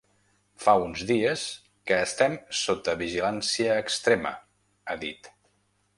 Fa uns dies que estem sota vigilància extrema, ha dit.